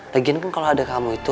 lagian kan kalo ada kamu itu